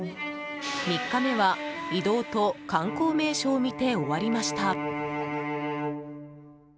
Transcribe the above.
３日目は移動と観光名所を見て終わりました。